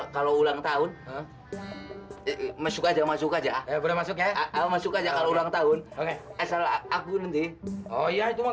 kamu masuk aja ya udah masuknya masuk aja kalau ulang tahun oke esok aku nanti oh ya itu mah